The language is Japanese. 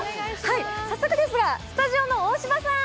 早速ですが、スタジオの大嶋さん！